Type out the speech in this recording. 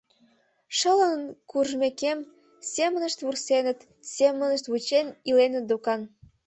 Шылын куржмекем, семынышт вурсеныт, семынышт вучен иленыт докан.